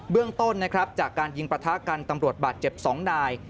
เรื่องต้นนะครับจากการยิงประทะกันตำรวจบาดเจ็บ๒นาย